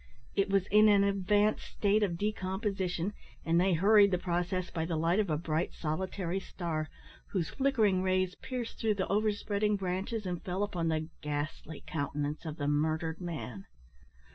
It was in an advanced state of decomposition, and they hurried the process by the light of a bright solitary star, whose flickering rays pierced through the overspreading branches and fell upon the ghastly countenance of the murdered man.